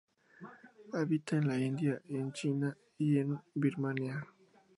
Habita en la India y en China y Birmania.